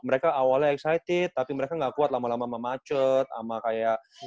mereka awalnya excited tapi mereka nggak kuat lama lama memacet sama kayak